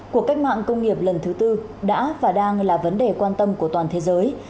cuộc cách mạng công nghiệp lần thứ tư đã và đang là vấn đề quan tâm của toàn thế giới